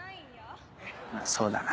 そうだな。